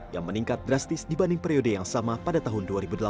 yang meningkat drastis dibanding periode yang sama pada tahun dua ribu delapan belas